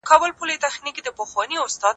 او یو خاموشه ساحل